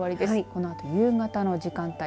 このあと夕方の時間帯。